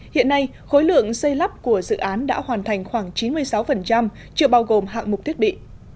hiện nay khối lượng xây lắp của dự án đã hoàn thành khoảng chín mươi sáu chưa bao gồm hạng mục thiết bị